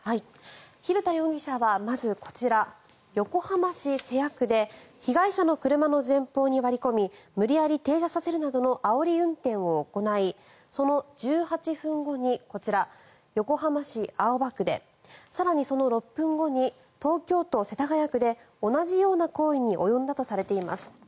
蛭田容疑者はまずこちら横浜市瀬谷区で被害者の車の前方に割り込み無理やり停車させるなどのあおり運転を行いその１８分後にこちら、横浜市青葉区で更にその６分後に東京都世田谷区で同じような行為に及んだとされています。